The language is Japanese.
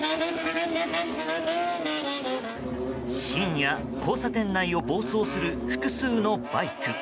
深夜、交差点内を暴走する複数のバイク。